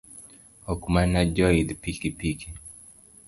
Ok mana joidh pikipiki